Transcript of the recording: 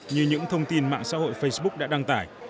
như những thông tin mạng xã hội facebook đã đăng tải